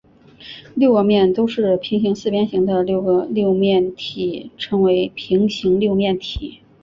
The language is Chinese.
六个面都是平行四边形的六面体称为平行六面体。